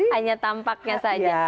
hanya tampaknya saja